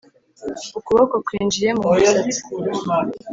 ukuboko kwinjiye mu musatsi,